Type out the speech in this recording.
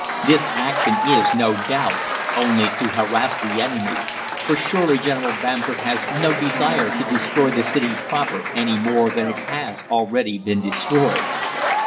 This action is, no doubt, only to harass the enemy, for surely General Bamford has no desire to destroy the City proper any more than it has already been destroyed.